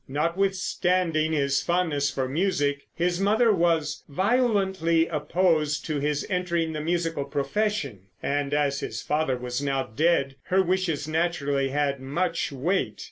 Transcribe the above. Notwithstanding his fondness for music, his mother was violently opposed to his entering the musical profession, and as his father was now dead, her wishes naturally had much weight.